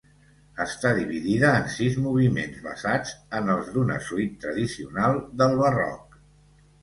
Està dividida en sis moviments basats en els d'una suite tradicional del Barroc.